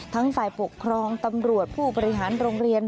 ฝ่ายปกครองตำรวจผู้บริหารโรงเรียน